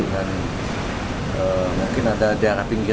dan mungkin ada di arah pinggir